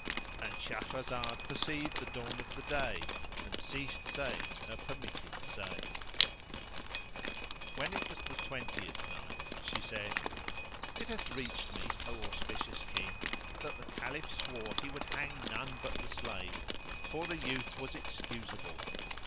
"—And Shahrazad perceived the dawn of day and ceased saying her permitted say, When it was the Twentieth Night, She said, It hath reached me, O auspicious King, that the Caliph swore he would hang none but the slave, for the youth was excusable.